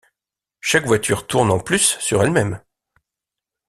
Chaque voiture tourne en plus sur elle-même.